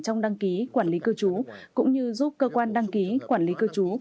trong đăng ký quản lý cư trú cũng như giúp cơ quan đăng ký quản lý cư trú